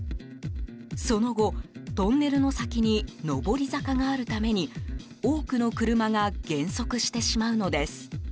その後、トンネルの先に上り坂があるために多くの車が減速してしまうのです。